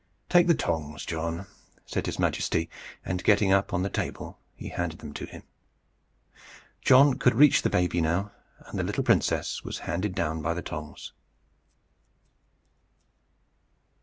"Take the tongs, John," said his Majesty; and getting up on the table, he handed them to him. John could reach the baby now, and the little princess was handed down by the tongs.